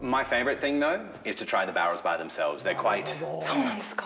そうなんですか。